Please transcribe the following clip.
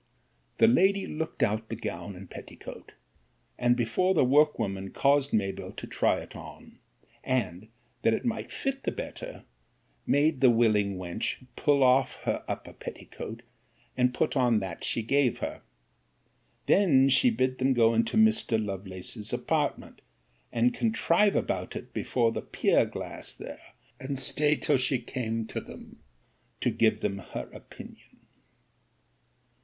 'The lady looked out the gown and petticoat, and before the workwoman caused Mabell to try it on; and, that it might fit the better, made the willing wench pull off her upper petticoat, and put on that she gave her. Then she bid them go into Mr. Lovelace's apartment, and contrive about it before the pier glass there, and stay till she came to them, to give them her opinion.